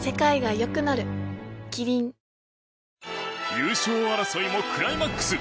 優勝争いもクライマックス。